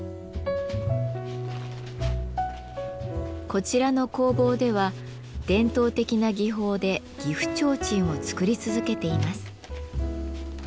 こちらの工房では伝統的な技法で岐阜提灯を作り続けています。